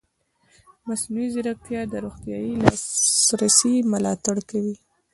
مصنوعي ځیرکتیا د روغتیايي لاسرسي ملاتړ کوي.